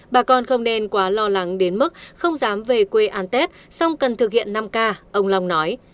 bà con không nên quá lo lắng đến mức không dám về quê an tết song cần thực hiện năm k ông long nói